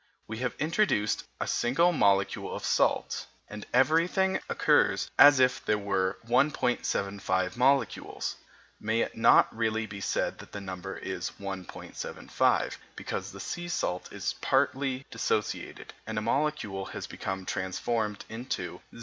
We have introduced a single molecule of salt, and everything occurs as if there were 1.75 molecules. May it not really be said that the number is 1.75, because the sea salt is partly dissociated, and a molecule has become transformed into 0.